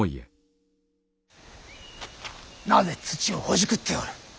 なぜ土をほじくっておる？